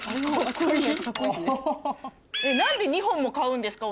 何で２本も買うんですか？